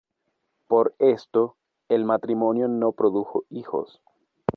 Por esto, el matrimonio no produjo hijos.